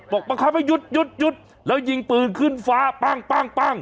บอกว่าเขาไปหยุดหยุดหยุดแล้วยิงปืนขึ้นฟ้าปั้งปั้งปั้ง